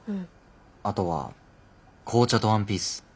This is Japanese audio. あとは紅茶とワンピース。